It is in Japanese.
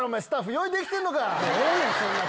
用意できてんのか⁉おい！